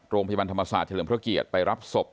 โรงพยาบาลธรรมศาสตร์เฉลิมพระเกียรติไปรับศพ